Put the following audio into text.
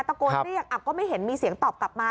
ตะโกนเรียกก็ไม่เห็นมีเสียงตอบกลับมา